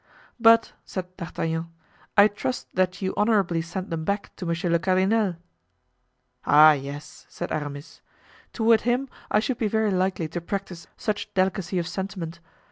"But," said D'Artagnan, "I trust that you honorably sent them back to monsieur le cardinal!" "Ah, yes!" said Aramis, "toward him I should be very likely to practice such delicacy of sentiment!